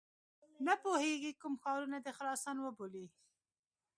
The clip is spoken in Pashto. نه پوهیږي کوم ښارونه د خراسان وبولي.